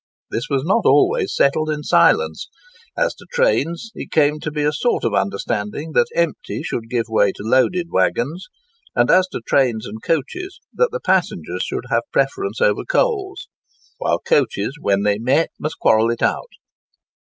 This was not always settled in silence. As to trains, it came to be a sort of understanding that empty should give way to loaded waggons; and as to trains and coaches, that the passengers should have preference over coals; while coaches, when they met, must quarrel it out.